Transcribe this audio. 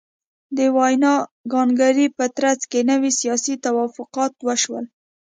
د ویانا کنګرې په ترڅ کې نوي سیاسي توافقات وشول.